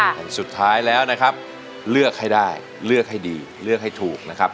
แผ่นสุดท้ายแล้วนะครับเลือกให้ได้เลือกให้ดีเลือกให้ถูกนะครับ